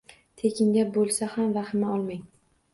Tekinga bo’lsa ham vahima olmang!